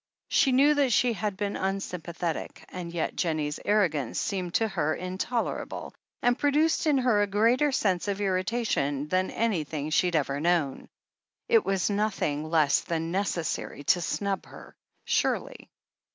She knew that she had been uns}rmpathetic, and yet Jennie's arrogance seemed to her intolerable, and produced in her a greater sense of irritation than anything she had ever known. It was nothing less than necessary to snub her, surely